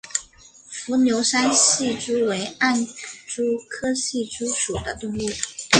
伏牛山隙蛛为暗蛛科隙蛛属的动物。